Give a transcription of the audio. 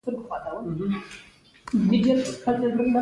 د هغه د ژوند مخینه د لبنان کډوالو یوې متوسطې کورنۍ ته ورګرځي.